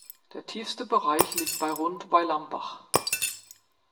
Der tiefste Bereich liegt bei rund bei Lambach.